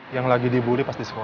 yang lagi dibully pas di sekolah